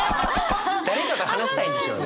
誰かと話したいんでしょうね。